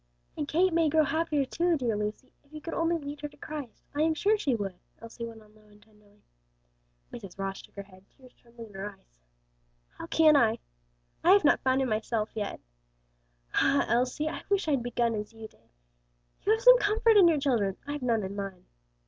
"And Kate may grow happier, too; dear Lucy, if you could only lead her to Christ, I am sure she would," Elsie went on low and tenderly. Mrs. Ross shook her head, tears trembling in her eyes. "How can I? I have not found him myself yet. Ah, Elsie, I wish I'd begun as you did. You have some comfort in your children; I've none in mine.